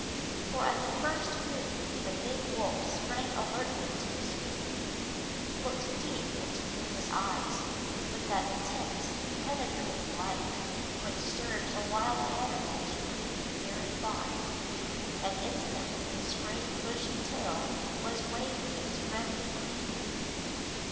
For at the first move the big wolf sprang alertly to his feet, looked deep into Mooka's eyes with that intense, penetrating light which serves a wild animal to read your very thoughts, and instantly his great bushy tail was waving its friendly greeting.